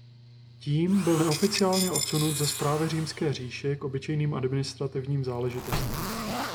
Tím byl neoficiálně odsunut ze správy římské říše k obyčejným administrativním záležitostem.